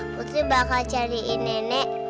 putri bakal cariin nene